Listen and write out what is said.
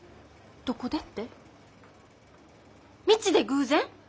どこでって道で偶然！